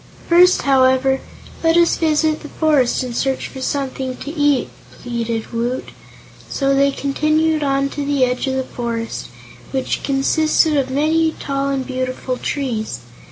"First, however, let us visit the forest and search for something to eat," pleaded Woot. So they continued on to the edge of the forest, which consisted of many tall and beautiful trees.